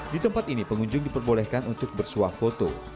di tempat ini pengunjung diperbolehkan untuk bersuah foto